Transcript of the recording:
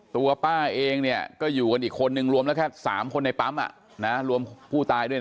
ตัวป้าเองก็อยู่กันอีกคนนึงรวมแล้วแค่๓คนในปั๊มรวมผู้ตายด้วยนะ